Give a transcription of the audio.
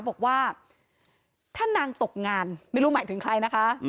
บอกว่าถ้านางตกงานไม่รู้หมายถึงใครนะคะ